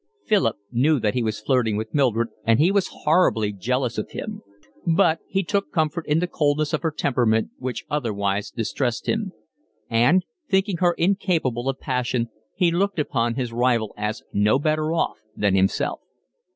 Philip knew that he was flirting with Mildred, and he was horribly jealous of him; but he took comfort in the coldness of her temperament, which otherwise distressed him; and, thinking her incapable of passion, he looked upon his rival as no better off than himself.